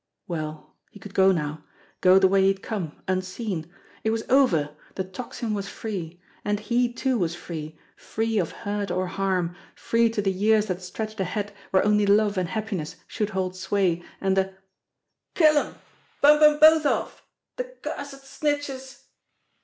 Well, he could go now. Go the way he had come unseen. It was over ! The Tocsin was free. And he too was free, free of hurt or harm, free to the years that stretched ahead where only love and happiness should hold sway, and the "Kill 'em! ... Bump 'em both off! ... The cursed snitches.